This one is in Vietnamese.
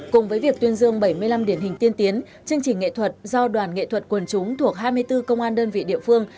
cùng với việc tuyên dương bảy mươi năm điển hình tiên tiến chương trình nghệ thuật do đoàn nghệ thuật quần chúng thuộc hai mươi bốn công an đơn vị địa phương